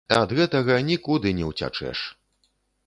Ад гэтага нікуды не уцячэш.